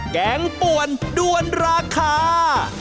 แกงป่วนด้วนราคา